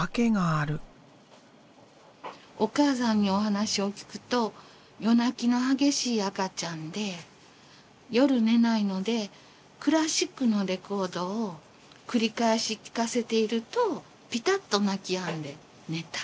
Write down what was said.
お母さんにお話を聞くと夜泣きの激しい赤ちゃんで夜寝ないのでクラシックのレコードを繰り返し聞かせているとピタッと泣きやんで寝た。